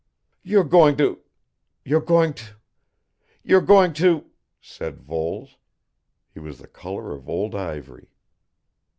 "You're going to you're going to you're going to " said Voles. He was the colour of old ivory.